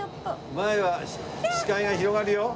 前は視界が広がるよ。